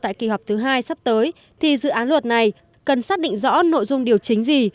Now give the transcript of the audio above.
tại kỳ họp thứ hai sắp tới thì dự án luật này cần xác định rõ nội dung điều chính gì